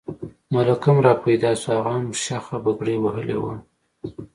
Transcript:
ملک هم را پیدا شو، هغه هم شخه پګړۍ وهلې وه.